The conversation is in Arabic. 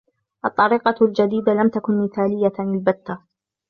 الطريقة الجديدة لم تكن مثاليةً البتة.